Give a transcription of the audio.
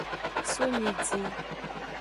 So nyidin.